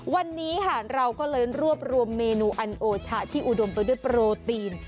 วันนี้ค่ะเราก็เลยรวบรวมเมนูอันโอชะที่อุดมไปด้วยโปรตีน